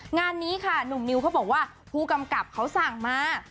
งานนี้ค่ะหนุ่มนิวเขาบอกว่าผู้กำกับเขาสั่งมา